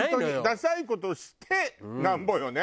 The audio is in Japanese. ダサい事をしてなんぼよね